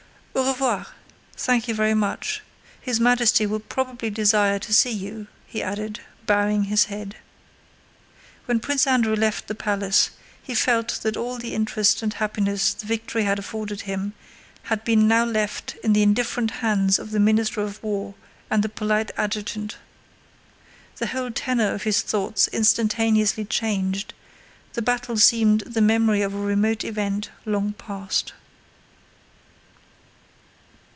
"Au revoir! Thank you very much. His Majesty will probably desire to see you," he added, bowing his head. When Prince Andrew left the palace he felt that all the interest and happiness the victory had afforded him had been now left in the indifferent hands of the Minister of War and the polite adjutant. The whole tenor of his thoughts instantaneously changed; the battle seemed the memory of a remote event long past.